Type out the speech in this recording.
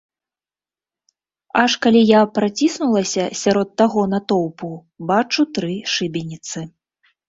Аж, калі я праціснулася сярод таго натоўпу, бачу тры шыбеніцы.